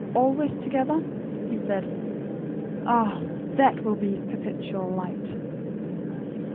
Always together?" he said. "Ah, that will be 'perpetual light!'"